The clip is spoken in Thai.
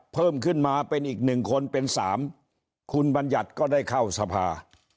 เพิ่มขึ้นมาเป็นอีกหนึ่งคนเป็น๓คุณบัญญัติก็ได้เข้าสภา